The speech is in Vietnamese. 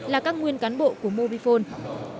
là các nguyên cán bộ của mobifone